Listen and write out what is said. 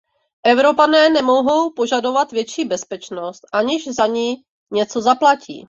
Evropané nemohou požadovat větší bezpečnost, aniž za ni něco zaplatí.